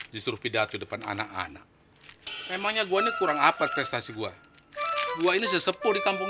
justru pidato depan anak anak memangnya gua ini kurang apart prestasi gue gua gua ini sesepuh di kampung